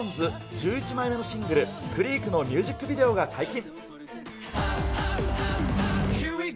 １１枚目のシングル、クリークのミュージックビデオが解禁。